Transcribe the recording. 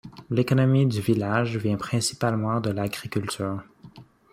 L'économie du village vient principalement de l'agriculture.